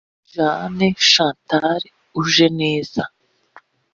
Jeanne Chantal Ujeneza